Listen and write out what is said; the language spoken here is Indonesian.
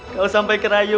kalo sampai kerayu